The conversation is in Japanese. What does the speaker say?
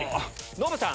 ノブさん！